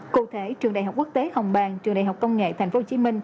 cụ thể trường đại học quốc tế hồng bang trường đại học công nghệ tp hcm